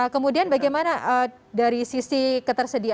kemudian bagaimana dari sisi ketersediaan